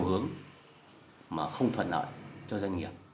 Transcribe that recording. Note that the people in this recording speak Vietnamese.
nhiều hướng mà không thuận lợi cho doanh nghiệp